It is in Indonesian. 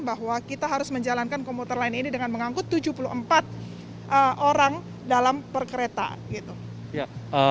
bahwa kita harus menjalankan komuter lain ini dengan mengangkut tujuh puluh empat orang dalam per kereta